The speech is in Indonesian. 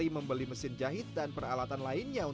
cepat ya berarti ya